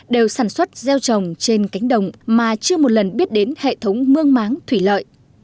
đều sản xuất gieo trồng trên cánh đồng mà chưa một lần biết đến hệ thống mương máng thủy lợi